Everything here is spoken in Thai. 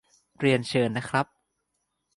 เรียนเชิญนะครับ